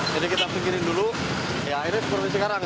jadi kita pinggirin dulu ya ini seperti sekarang